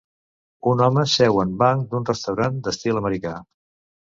Un home seu en banc d'un restaurant d'estil americà.